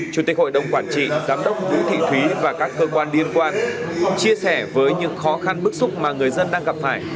chủ tịch hội đồng quản trị giám đốc vũ thị thúy và các cơ quan liên quan chia sẻ với những khó khăn bức xúc mà người dân đang gặp phải